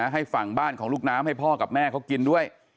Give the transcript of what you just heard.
ให้ฝั่งบ้านของลูกน้ำให้พ่อกับแม่เขากินด้วย